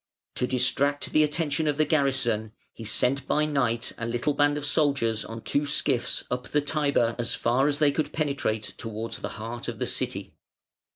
To distract the attention of the garrison he sent by night a little band of soldiers on two skiffs up the Tiber as far as they could penetrate towards the heart of the City.